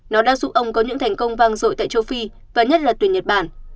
nó đã giúp ông có những thành công vang rội tại châu phi và nhất là tuyển nhật bản